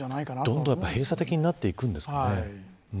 どんどん閉鎖的になっていくんですかね。